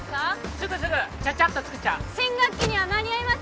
すぐすぐチャッチャッとつくっちゃう新学期には間に合います？